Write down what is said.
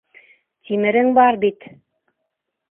Тимерең бар бит.